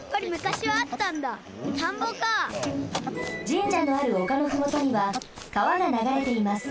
神社のあるおかのふもとにはかわがながれています。